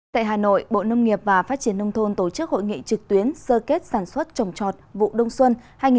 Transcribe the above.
tại hà nội bộ nông nghiệp và phát triển nông thôn tổ chức hội nghị trực tuyến sơ kết sản xuất trồng trọt vụ đông xuân hai nghìn một mươi một hai nghìn hai mươi